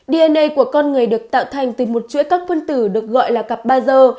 dna của con người được tạo thành từ một chuỗi các phân tử được gọi là cặp ba dơ